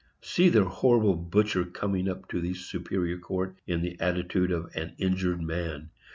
See the horrible butcher coming up to the Superior Court in the attitude of an injured man!